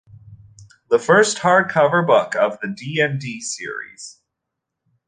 It was the first hardcover book of the "D and D" series.